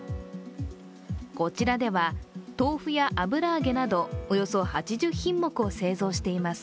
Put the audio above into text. こちらでは豆腐や油揚げなどおよそ８０品目を製造しています。